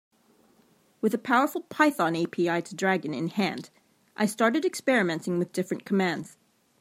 With a powerful Python API to Dragon in hand, I started experimenting with different commands.